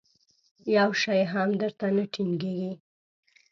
یو شی هم در ته نه ټینګېږي.